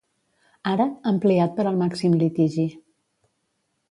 Ara, ampliat per al màxim litigi.